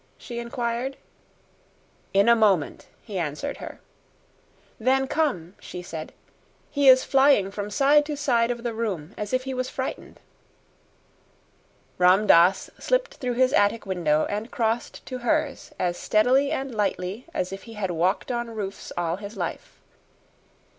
she inquired. "In a moment," he answered her. "Then come," she said; "he is flying from side to side of the room as if he was frightened." Ram Dass slipped through his attic window and crossed to hers as steadily and lightly as if he had walked on roofs all his life.